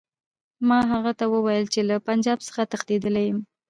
ما هغه ته وویل چې له پنجاب څخه تښتېدلی یم.